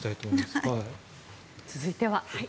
続いては。